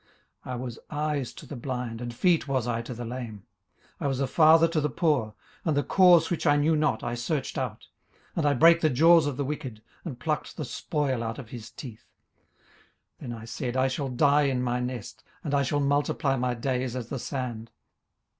18:029:015 I was eyes to the blind, and feet was I to the lame. 18:029:016 I was a father to the poor: and the cause which I knew not I searched out. 18:029:017 And I brake the jaws of the wicked, and plucked the spoil out of his teeth. 18:029:018 Then I said, I shall die in my nest, and I shall multiply my days as the sand.